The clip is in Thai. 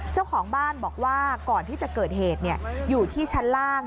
เจ้าของบ้านบอกว่าก่อนที่จะเกิดเหตุอยู่ที่ชั้นล่าง